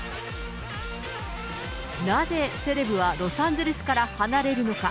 なぜセレブは、ロサンゼルスから離れるのか。